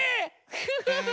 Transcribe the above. フフフ。